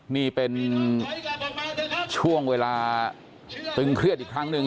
นี่เป็นช่วงเวลาตึงเครียดอีกครั้งหนึ่ง